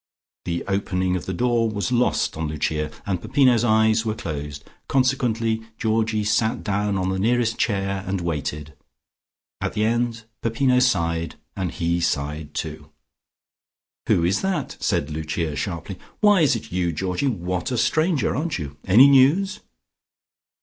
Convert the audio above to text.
The opening of the door was lost on Lucia, and Peppino's eyes were closed. Consequently Georgie sat down on the nearest chair, and waited. At the end Peppino sighed, and he sighed too. "Who is that?" said Lucia sharply. "Why is it you, Georgie? What a stranger. Aren't you? Any news?"